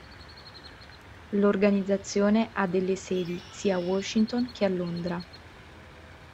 L'organizzazione ha delle sedi sia a Washington che a Londra.